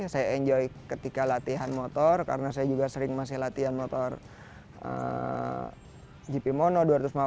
saya enjoy ketika latihan motor karena saya juga sering masih latihan motor gp mono dua ratus lima puluh